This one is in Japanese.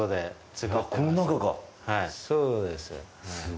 そうです。